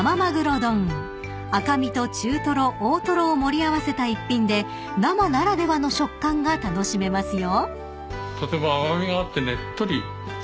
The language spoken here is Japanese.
［赤身と中とろ大とろを盛り合わせた一品で生ならではの食感が楽しめますよ］